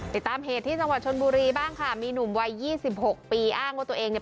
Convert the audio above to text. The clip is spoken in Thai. ติดตามเหตุที่จังหวัดชนบุรีบ้างค่ะมีหนุ่มวัยยี่สิบหกปีอ้างว่าตัวเองเนี่ย